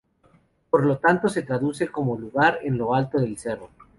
Por lo tanto, se traduce como "Lugar en lo alto del cerro".